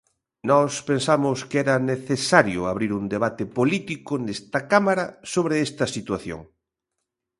Nós pensamos que era necesario abrir un debate político nesta Cámara sobre esta situación.